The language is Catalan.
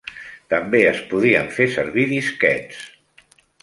També es podien fer servir disquets.